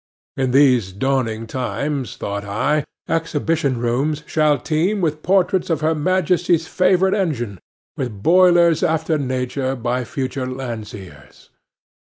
'In those dawning times,' thought I, 'exhibition rooms shall teem with portraits of Her Majesty's favourite engine, with boilers after Nature by future Landseers.